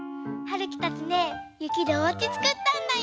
るきたちねゆきでおうちつくったんだよ！